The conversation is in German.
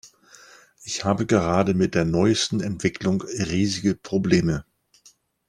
Ich habe gerade mit der neuesten Entwicklung riesige Probleme.